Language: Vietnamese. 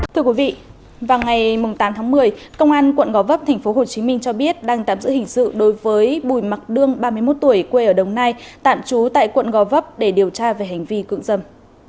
thưa quý vị vào ngày tám tháng một mươi công an quận gò vấp tp hcm cho biết đang tạm giữ hình sự đối với bùi mạc đương ba mươi một tuổi quê ở đồng nai tạm trú tại quận gò vấp để điều tra về hành vi cưỡng dâm